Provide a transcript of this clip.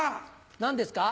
何ですか？